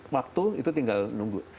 waktu itu tinggal nunggu